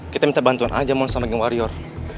kita minta bantuan aja mon sama geng warior